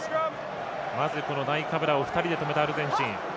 まずナイカブラを２人で止めたアルゼンチン。